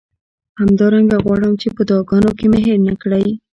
همدارنګه غواړم چې په دعاګانو کې مې هیر نه کړئ.